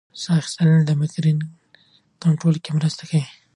ساه اخیستل د مېګرین کنټرول کې مرسته کوي.